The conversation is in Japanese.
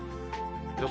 予想